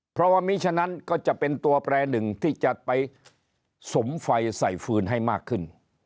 เพราะว่ามีฉะนั้นก็จะเป็นตัวแปรหนึ่งที่จะไปสมไฟใส่ฟืนให้มากขึ้น